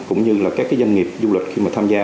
cũng như là các cái doanh nghiệp du lịch khi mà tham gia